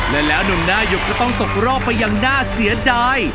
และแล้วหนุ่มหน้าหยกก็ต้องตกรอบไปอย่างน่าเสียดาย